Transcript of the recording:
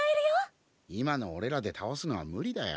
今のおれらでたおすのは無理だよ。